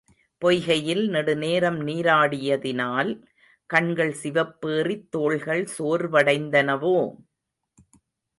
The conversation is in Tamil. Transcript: பொய்கையில் நெடுநேரம் நீராடியதினால் கண்கள் சிவப்பேறித் தோள்கள் சோர்வடைந்தனவோ?